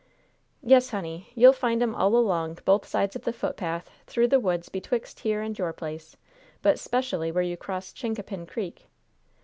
"Yes, honey, you'll find 'em all along both sides of the footpath through the woods betwixt here and your place, but 'specially where you cross Chincapin Creek."